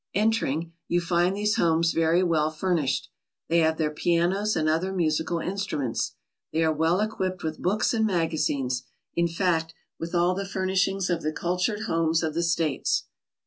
Entering, you find these homes very well furnished. They have their pianos and other musical instruments. They are well equipped with books and magazines, in fact, with all the furnishings of the cultured homes of the States.